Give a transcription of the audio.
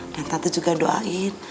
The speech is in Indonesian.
dan tante juga doain